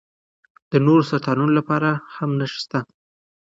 د نورو سرطانونو لپاره هم نښې شته.